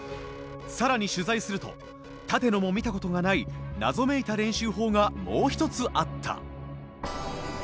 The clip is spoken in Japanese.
更に取材すると立野も見たことがない謎めいた練習法がもう一つあった。